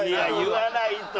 言わないと。